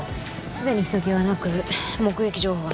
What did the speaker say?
すでに人けはなく目撃情報はなし。